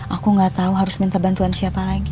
aku gak tau harus minta bantuan siapa lagi